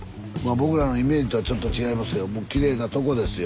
僕らのイメージとはちょっと違いますけどきれいなとこですよ。